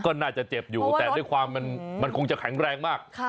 ก็น่าจะเจ็บอยู่แต่ด้วยความมันคงจะแข็งแรงมาก